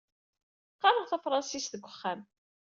Qqareɣ tafṛensist deg uxxam.